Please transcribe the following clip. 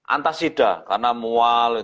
antasida karena mual